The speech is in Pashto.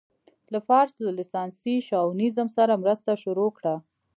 له فارس له لېساني شاونيزم سره مرسته شروع کړه.